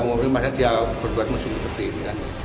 mungkin masa dia berbuat mesin seperti ini